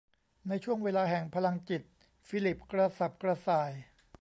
ในช่วงเวลาแห่งพลังจิตฟิลิปกระสับกระส่าย